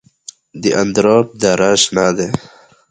د اندراب دره شنه ده